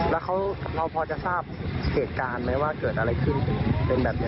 แล้วเราพอจะทราบเหตุการณ์ไหมว่าเกิดอะไรขึ้นเป็นแบบนี้